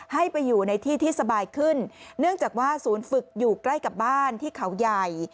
ให้ไปอยู่ในที่ที่สบายขึ้นเนื่องจากว่าศูนย์ฝึกอยู่ใกล้กับบ้านที่เขาใหญ่